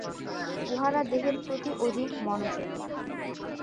উহারা দেহের প্রতি অধিক মনোযোগী।